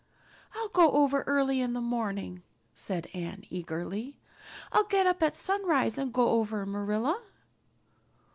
"I'll go over early in the morning," said Anne eagerly. "I'll get up at sunrise and go over, Marilla."